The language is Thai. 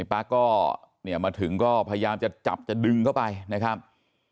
ปั๊กก็มาถึงก็พยายามจะจับจะดึงเข้าไปนะครับ